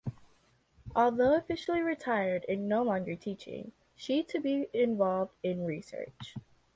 Although officially retired and no longer teaching, she to be involved in research.